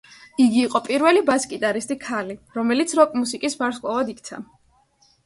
იგი იყო პირველი ბას-გიტარისტი ქალი, რომელიც როკ-მუსიკის ვარსკვლავად იქცა.